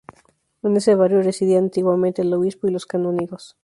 En ese barrio residían antiguamente el obispo y los canónigos.